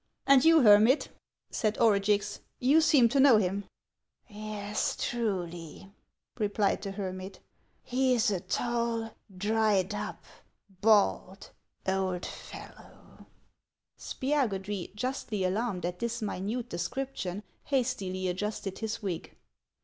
" And you, hermit," said Orugix, —" you seem to know him ?"" Yes, truly," replied the hermit ;" he is a tall, dried up, bald old fellow —" Spiagudry, justly alarmed at this minute description, hastily adjusted his wig.